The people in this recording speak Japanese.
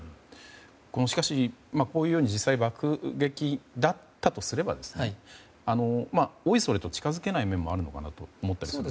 しかし、こういう実際に爆撃だったとすればおいそれと近づけない面もあるのかなと思ったり。